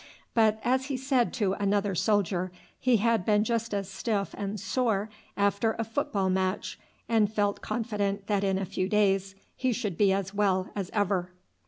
But, as he said to another soldier, he had been just as stiff and sore after a football match, and felt confident that in a few days he should be as well as ever.